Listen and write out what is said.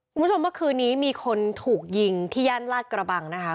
คุณผู้ชมเมื่อคืนนี้มีคนถูกยิงที่ย่านลาดกระบังนะคะ